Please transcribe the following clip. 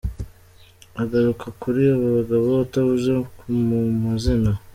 Agaruka kuri aba bagabo atavuze mu mazina.